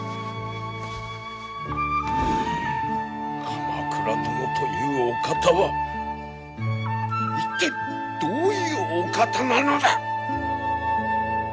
鎌倉殿というお方は一体どういうお方なのだ！